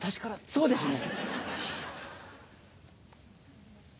そうですね。